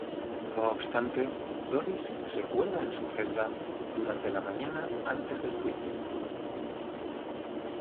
No obstante, Doris se cuelga en su celda durante la mañana antes del juicio.